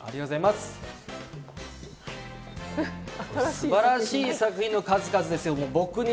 素晴らしい作品の数々ですよ。